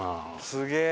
すげえ！